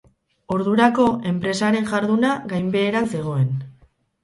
Ordurako, enpresaren jarduna gainbeheran zegoen.